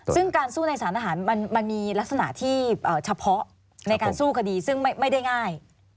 ซึ่งการสู้ในสารทหารมันมีลักษณะที่เฉพาะในการสู้คดีซึ่งไม่ได้ง่าย